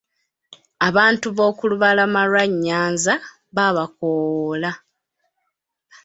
Abantu b'oku lubalama lwa Nyanza babakoowoola.